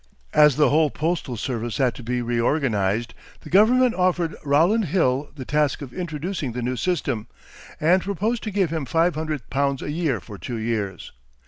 As the whole postal service had to be reorganized, the government offered Rowland Hill the task of introducing the new system, and proposed to give him five hundred pounds a year for two years.